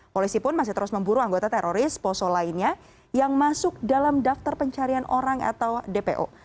polisi pun masih terus memburu anggota teroris poso lainnya yang masuk dalam daftar pencarian orang atau dpo